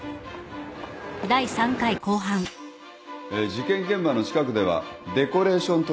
事件現場の近くではデコレーショントラック